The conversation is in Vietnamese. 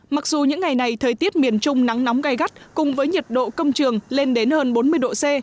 mặc dù những ngày này thời tiết miền trung nắng nóng gai gắt cùng với nhiệt độ công trường lên đến hơn bốn mươi độ c